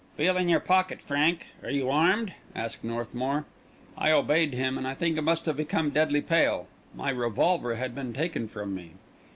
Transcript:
"Feel in your pocket, Frank. Are you armed?" asked Northmour. I obeyed him, and I think I must have become deadly pale. My revolver had been taken from me.